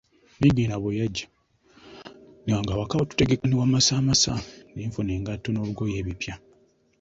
Niigiina bwe yajja ng’awaka tutegeka ne wamasamasa, ne nfuna ku ngatto n’olugoye ebipya.